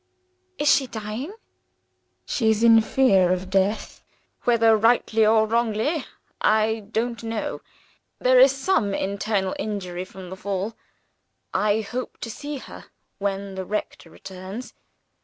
"Is she dying?" "She is in fear of death whether rightly or wrongly, I don't know. There is some internal injury from the fall. I hope to see her when the rector returns.